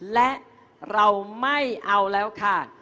และเราไม่เอาแล้วค่ะ